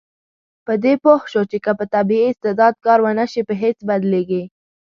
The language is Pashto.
په دې پوه شو چې که په طبیعي استعداد کار ونشي، په هېڅ بدلیږي.